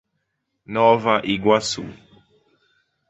Nova Iguaçu